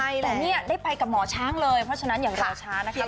ใช่แหละเนี่ยได้ไปกับหมอช้างเลยเพราะฉะนั้นอย่างรอช้านะคะ